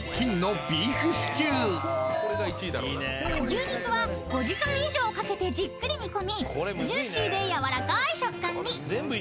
［牛肉は５時間以上かけてじっくり煮込みジューシーでやわらかい食感に］